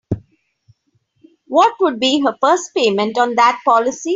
What would be her first payment on that policy?